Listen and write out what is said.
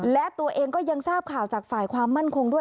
และตัวเองก็ยังทราบข่าวจากฝ่ายความมั่นคงด้วย